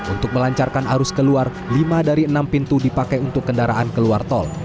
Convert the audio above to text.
untuk melancarkan arus keluar lima dari enam pintu dipakai untuk kendaraan keluar tol